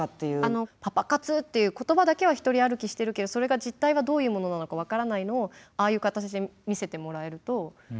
パパ活っていう言葉だけは独り歩きしてるけどそれが実態はどういうものなのか分からないのをああいう形で見せてもらえると。